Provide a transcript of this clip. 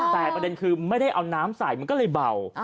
แต่ประเด็นคือไม่ได้เอาน้ำใส่มันก็เลยเบา